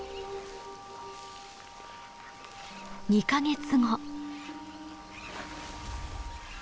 ２か月後。